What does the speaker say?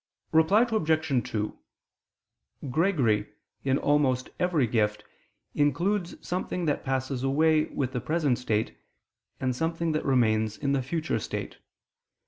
Reply Obj. 2: Gregory, in almost every gift, includes something that passes away with the present state, and something that remains in the future state.